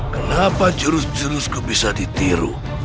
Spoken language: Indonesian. kenapa jurus jurusku bisa ditiru